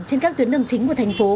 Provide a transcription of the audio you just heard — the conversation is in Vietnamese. trên các tuyến đường chính của thành phố